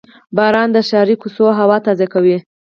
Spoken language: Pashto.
• باران د ښاري کوڅو هوا تازه کوي.